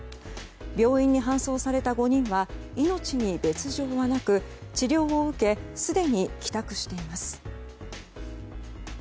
病院に搬送された５人は命に別条はなく治療を受けすでに帰宅しています。